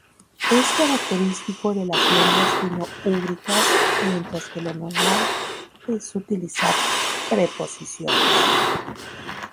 Es característico de las lenguas fino-úgricas, mientras que lo normal es utilizar preposiciones.